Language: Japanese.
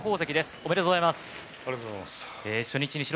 ありがとうございます。